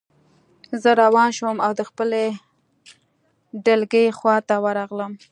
زه روان شوم او د خپلې ډلګۍ خواته ورغلم